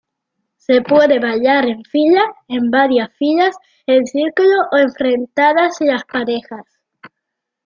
Se puede bailar en fila, en varias filas, en círculo o enfrentadas las parejas.